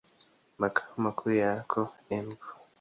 Makao makuu yako Embu.